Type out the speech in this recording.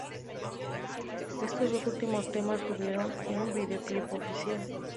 Estos dos últimos temas tuvieron un videoclip oficial.